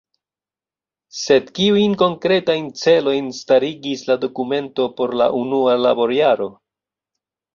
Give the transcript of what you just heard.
Sed kiujn konkretajn celojn starigis la dokumento por la unua laborjaro?